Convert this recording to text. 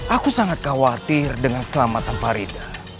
aku sangat khawatir dengan selamat tanpa faridah